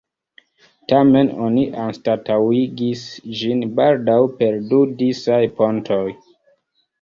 Tamen oni anstataŭigis ĝin baldaŭ per du disaj pontoj.